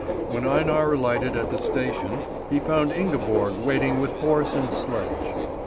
When Einar alighted at the station, he found Ingeborg waiting with horse and sledge.